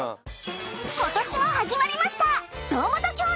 ［ことしも始まりました］